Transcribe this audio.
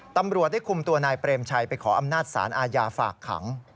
ตำรวจได้คุมตัวนายเปรมชัยไปขออำนาจสารอาญาฝากขัง